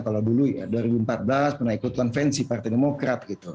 kalau dulu ya dua ribu empat belas pernah ikut konvensi partai demokrat gitu